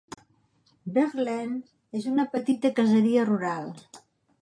Verlaine és una petita caseria rural.